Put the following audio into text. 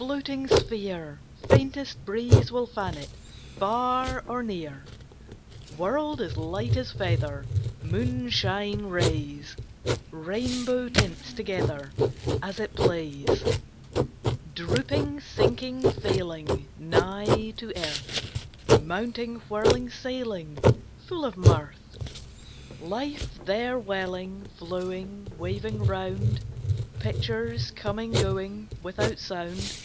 Floating sphere! Faintest breeze will fan it Far or near; World as light as feather; Moonshine rays, Rainbow tints, together, As it plays; Drooping, sinking, failing, Nigh to earth, Mounting, whirling, sailing, Full of mirth; Life there, welling, flowing, Waving round; Pictures coming, going, Without sound.